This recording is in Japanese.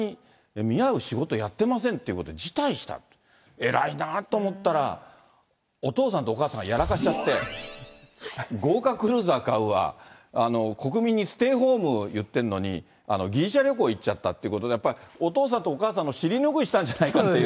えらいなと思ったら、お父さんとお母さんがやらかしちゃって、豪華クルーザー買うわ、国民にステイホームを言ってるのに、ギリシャ旅行行っちゃったということで、やっぱりお父さんとお母さんの尻拭いしたんじゃないかっていう。